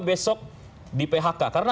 besok di phk karena